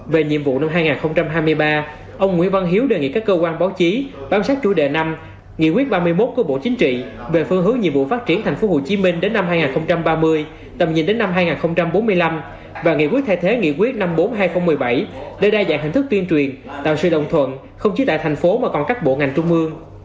về nhiệm vụ năm hai nghìn hai mươi ba ông nguyễn văn hiếu đề nghị các cơ quan báo chí bám sát chủ đề năm nghị quyết ba mươi một của bộ chính trị về phương hướng nhiệm vụ phát triển tp hcm đến năm hai nghìn ba mươi tầm nhìn đến năm hai nghìn bốn mươi năm và nghị quyết thay thế nghị quyết năm mươi bốn hai nghìn một mươi bảy để đa dạng hình thức tuyên truyền tạo sự đồng thuận không chỉ tại thành phố mà còn các bộ ngành trung ương